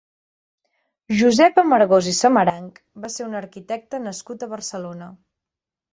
Josep Amargós i Samaranch va ser un arquitecte nascut a Barcelona.